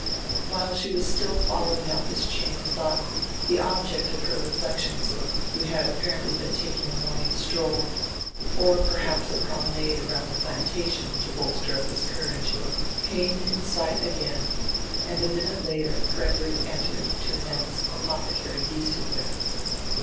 While she was still following out this chain of diought die object of her reflections, who had apparendy been taking a morning stroll, or perhaps a promenade around die "Plan tation" to bolster up his courage, came in sight again, and a minute later Frederick entered to announce Apodiecary Gieshiihler.